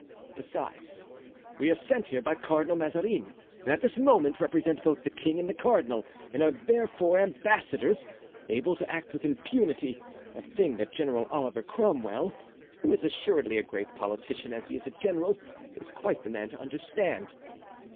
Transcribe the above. Besides, we are sent here by Cardinal Mazarin, and at this moment represent both the king and the cardinal, and are, therefore, as ambassadors, able to act with impunity, a thing that General Oliver Cromwell, who is assuredly as great a politician as he is a general, is quite the man to understand.